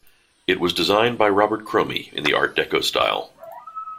It was designed by Robert Cromie in the Art Deco style.